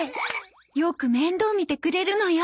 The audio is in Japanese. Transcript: よく面倒見てくれるのよ。